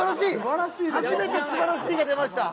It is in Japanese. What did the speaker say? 初めて「素晴らしい」が出ました。